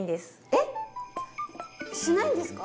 えっしないんですか？